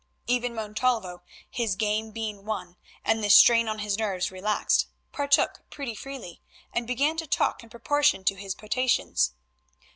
Even Montalvo, his game being won and the strain on his nerves relaxed, partook pretty freely, and began to talk in proportion to his potations.